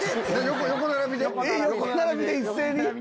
横並びで一斉に？